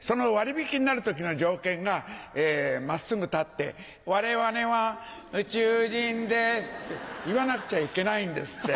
その割引になる時の条件が真っすぐ立って「ワレワレハウチュウジンデス」って言わなくちゃいけないんですって。